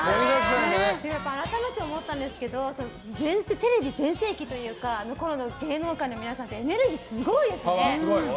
改めて思ったんですがテレビ全盛期というかあの時の芸能人の皆さんってエネルギーすごいですね。